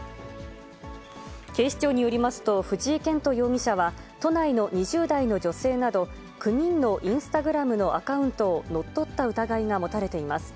警視庁によりますと、藤井健人容疑者は、都内の２０代の女性など９人のインスタグラムのアカウントを乗っ取った疑いが持たれています。